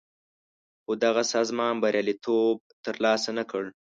خو دغه سازمان بریالیتوب تر لاسه نه کړ.